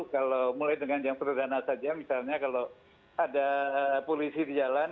kalau mulai dengan yang sederhana saja misalnya kalau ada polisi di jalan